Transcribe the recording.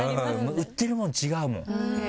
売ってるもの違うもん。